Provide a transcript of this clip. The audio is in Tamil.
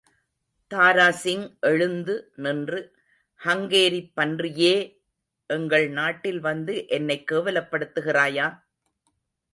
தாராசிங் எழுந்து நின்று, ஹங்கேரிப் பன்றியே! எங்கள் நாட்டில் வந்து என்னைக் கேவலப்படுத்துகிறாயா?